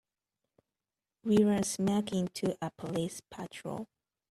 We run smack into a police patrol.